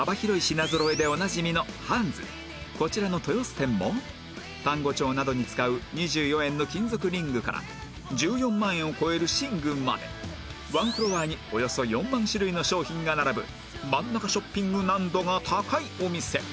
こちらの豊洲店も単語帳などに使う２４円の金属リングから１４万円を超える寝具までワンフロアにおよそ４万種類の商品が並ぶ真ん中ショッピング難度が高いお店